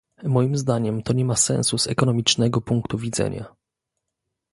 Moim zdaniem to nie ma sensu z ekonomicznego punktu widzenia